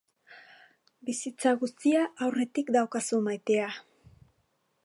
Bizitza guztia aurretik daukazu maitea.